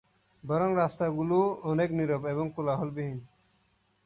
বরং রাস্তা গুলো অনেক নিরব এবং কোলাহলবিহীন।